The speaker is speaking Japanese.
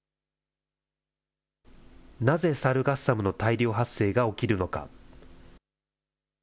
なぜサルガッサムの大量発生が起きるのか。